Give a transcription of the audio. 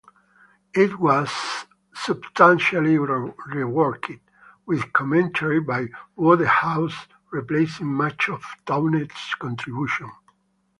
It was substantially reworked, with commentary by Wodehouse replacing much of Townend's contribution.